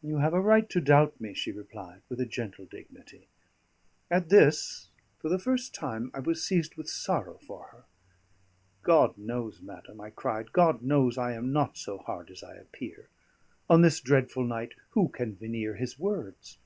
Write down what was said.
"You have a right to doubt me," she replied, with a gentle dignity. At this, for the first time, I was seized with sorrow for her. "God knows, madam," I cried, "God knows I am not so hard as I appear; on this dreadful night who can veneer his words?